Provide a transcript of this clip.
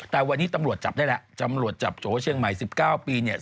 แต่วันนี้ตำรวจจับได้แล้วตำรวจจับโจเชียงใหม่๑๙ปีเนี่ย